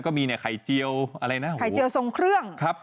ก็มีไข่เจียวอะไรนะ